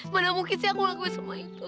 mana mungkin sih aku lagu semua itu